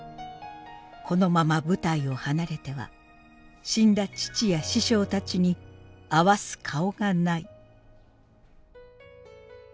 「このまま舞台を離れては死んだ父や師匠たちにあわす顔がない」。